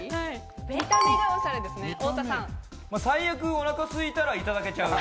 最悪、お腹すいたらいただけちゃう。